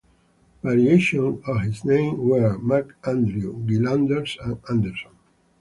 Variations of this name were MacAndrew, Gillanders and Anderson.